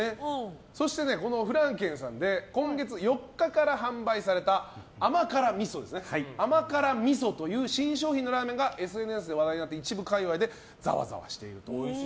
そしてフラン軒さんで今月４日から販売された甘辛ｍｉｓｏという新商品のラーメンがＳＮＳで話題になって一部界隈でざわざわしていると。